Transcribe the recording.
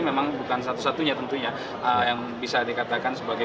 memang bukan satu satunya tentunya yang bisa dikatakan sebagai